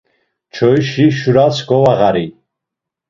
Çoyişi şuras govağari.